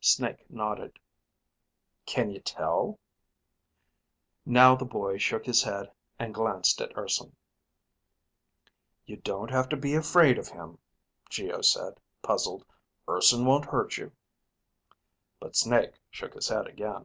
Snake nodded. "Can you tell?" Now the boy shook his head and glanced at Urson. "You don't have to be afraid of him," Geo said, puzzled. "Urson won't hurt you." But Snake shook his head again.